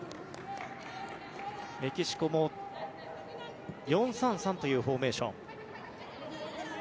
メキシコも４−３−３というフォーメーション。